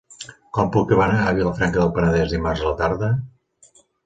Com puc anar a Vilafranca del Penedès dimarts a la tarda?